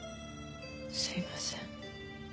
すいません。